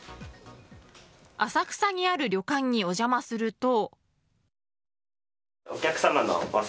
浅草にある旅館にお邪魔すると。